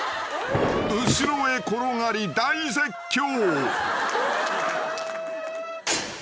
［後ろへ転がり大絶叫］